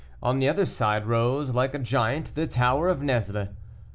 On the other side rose, like a giant, the tower of Nesle.